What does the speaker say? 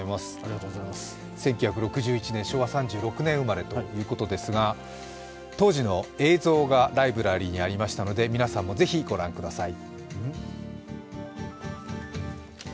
１９６１年、昭和３６年生まれということですが、当時の映像がライブラリーにありましたので、皆さんも是非、ご覧ください。